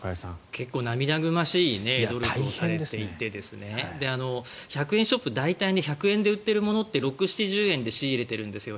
結構涙ぐましいことをされていて１００円ショップで大体１００円で売っているものって６０７０円で仕入れているんですよ